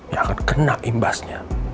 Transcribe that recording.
yang akan kena imbasnya